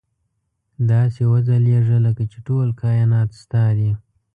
داسې وځلېږه لکه چې ټول کاینات ستا دي.